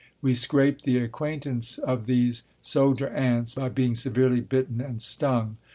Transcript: We scraped the acquaintance of these soldier ants by being severely bitten and stung.